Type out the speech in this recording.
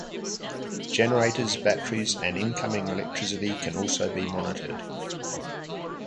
Generators, batteries, and incoming electricity can also be monitored.